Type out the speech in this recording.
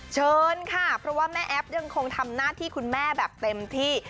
เชิญค่ะเพราะว่าแม่แอฟยังคงทำหน้าที่คุณแม่แบบเต็มที่